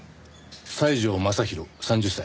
西條雅弘３０歳。